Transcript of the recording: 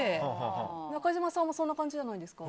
中島さんもそんな感じじゃないんですか？